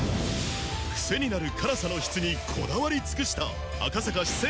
クセになる辛さの質にこだわり尽くした赤坂四川